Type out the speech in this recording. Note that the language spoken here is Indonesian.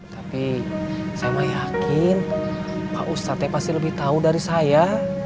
tapi saya mah yakin pak ustadznya pasti lebih tahu dari saya